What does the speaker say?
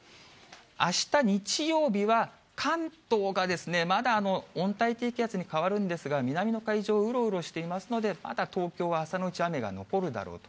あした日曜日は、関東がまだ、温帯低気圧に変わるんですが、南の海上をうろうろしていますので、まだ東京は朝のうち雨が残るだろうと。